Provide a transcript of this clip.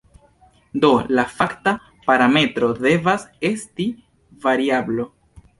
Do, la fakta parametro devas esti variablo.